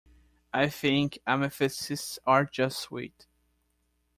I think amethysts are just sweet.